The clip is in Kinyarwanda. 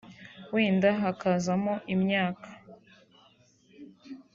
wenda hakazamo imyaka